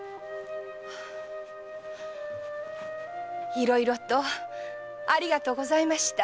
いろいろとありがとうございました。